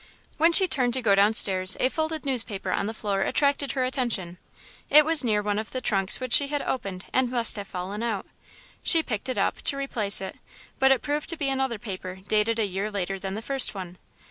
When she turned to go downstairs, a folded newspaper on the floor attracted her attention. It was near one of the trunks which she had opened and must have fallen out. She picked it up, to replace it, but it proved to be another paper dated a year later than the first one.